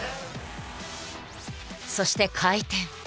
そして回転。